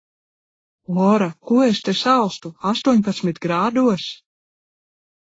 Lora, ko es te salstu? Astoņpadsmit grādos?!